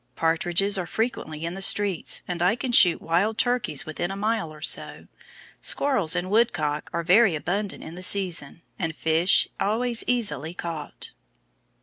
Partridges are frequently in the streets, and I can shoot wild turkeys within a mile or so. Squirrels and Woodcock are very abundant in the season, and fish always easily caught."